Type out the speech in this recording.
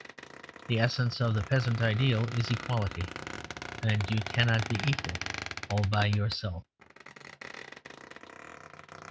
The essence of the Peasant ideal is equality; and you cannot be equal all by yourself.